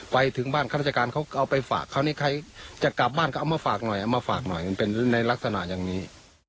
ไปถึงบ้านข้าราชการเขาก็เอาไปฝากคราวนี้ใครจะกลับบ้านก็เอามาฝากหน่อยเอามาฝากหน่อยมันเป็นในลักษณะอย่างนี้